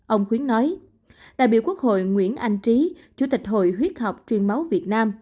ông khuyến nói đại biểu quốc hội nguyễn anh trí chủ tịch hội huyết học truyền máu việt nam